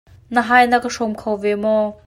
Na hai na ka hrawm kho ve maw?